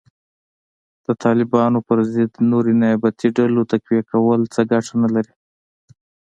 د طالبانو په ضد نورې نیابتي ډلو تقویه کول څه ګټه نه لري